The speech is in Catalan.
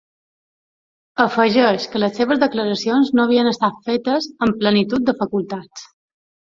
Afegeix que les seves declaracions no havien estat fetes ‘en plenitud de facultats’.